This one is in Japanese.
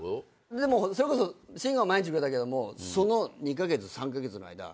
でもそれこそ慎吾は毎日くれたけどもその２カ月３カ月の間。